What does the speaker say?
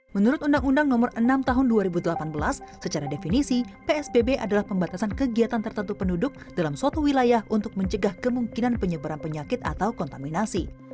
menurut undang undang nomor enam tahun dua ribu delapan belas secara definisi psbb adalah pembatasan kegiatan tertentu penduduk dalam suatu wilayah untuk mencegah kemungkinan penyebaran penyakit atau kontaminasi